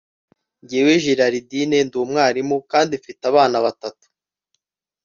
njyewe, gerardine, ndi umwarimu kandi mfite abana batatu.